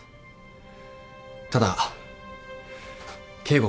ただ圭吾